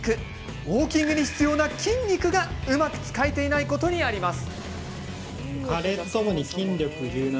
ウォーキングに必要な筋肉がうまく使えていないことにあります。